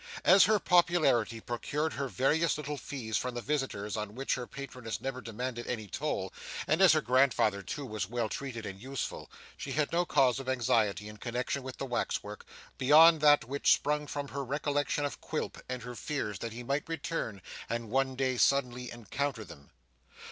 As her popularity procured her various little fees from the visitors on which her patroness never demanded any toll, and as her grandfather too was well treated and useful, she had no cause of anxiety in connexion with the wax work, beyond that which sprung from her recollection of Quilp, and her fears that he might return and one day suddenly encounter them.